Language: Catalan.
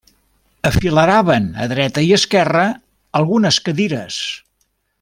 Afileraven a dreta i esquerra algunes cadires.